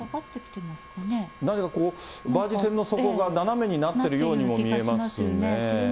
何かこう、バージ船の底が、斜めになってるようにも見えますよね。